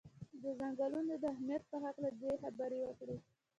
د څنګلونو د اهمیت په هکله دې خبرې وکړي.